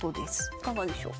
いかがでしょう？